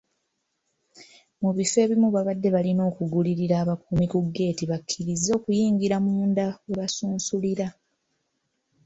Mu bifo ebimu babadde balina okugulirira abakuumi ku ggeeti babakkirize okuyingira munda we basunsulira.